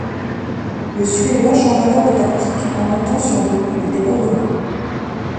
Le Suédois change alors de tactique en montant sur des coups de débordement.